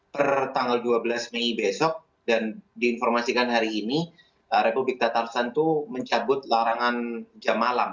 per tanggal dua belas mei besok dan diinformasikan hari ini republik tatarsan itu mencabut larangan jam malam